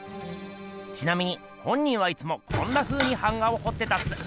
ちなみに本人はいつもこんなふうに版画をほってたっす。